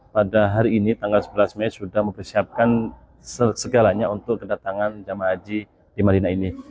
pada hari ini tanggal sebelas mei sudah mempersiapkan segalanya untuk kedatangan jemaah haji di madinah ini